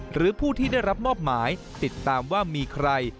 หรือผู้ที่ได้รับมอบหมายติดตามว่ามีใคร